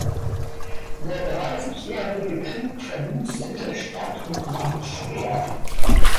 Der Dreißigjährige Krieg verwüstete Stadt und Land schwer.